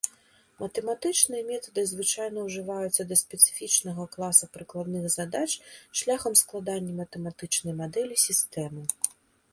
Матэматычныя метады звычайна ўжываюцца да спецыфічнага класа прыкладных задач шляхам складання матэматычнай мадэлі сістэмы.